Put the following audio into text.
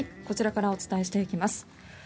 こちらからお伝えしていきます。